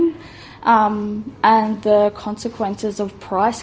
dan konsekuensi perangkat harga hidup